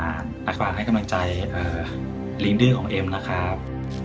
รักษาภาคให้กำลังใจลิงค์ดื้อของเอมนะครับ